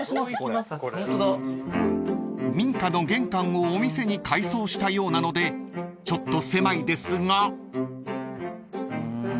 ［民家の玄関をお店に改装したようなのでちょっと狭いですが］